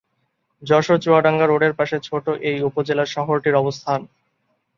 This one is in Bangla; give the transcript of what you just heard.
যশোর চুয়াডাঙ্গা রোডের পাশে ছোট এই উপজেলা শহরটির অবস্থান।